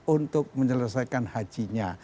untuk menyelesaikan hajinya